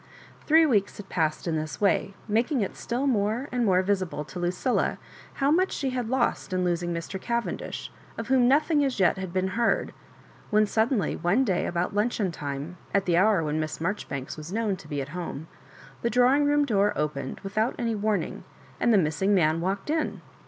Three weeks had passed in this way, making it still more and more visible to Lucilla how n^ueh she had lost in losing Mr. Cay6D<lisb, of whom nothing as yet had been beard, when sud denly, one day, about luncheon time, at the hour when Miss Marjoribanks was known to be at home, the drawing room door opened without any warning, and the missing man walked in.